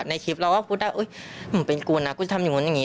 ในคลิปเราก็พูดได้หนูเป็นกูนะกูทำอย่างนู้นอย่างนี้